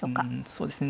そうですね